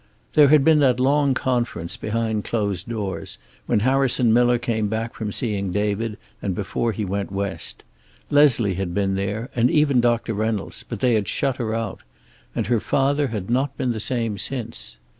There had been that long conference behind closed doors, when Harrison Miller came back from seeing David, and before he went west. Leslie had been there, and even Doctor Reynolds, but they had shut her out. And her father had not been the same since.